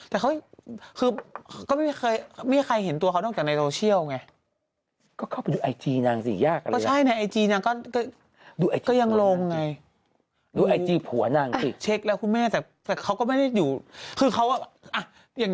แต่เขาคือก็ไม่เคยมีใครเห็นตัวเขาต้องกันในโซเชียลไงก็เข้าไปดูไอจีนางสิยากก็ใช่ในไอจีนางก็ก็ยังลงไงดูไอจีผัวนางสิเช็คแล้วคุณแม่แต่แต่เขาก็ไม่ได้อยู่คือเขาอย่าง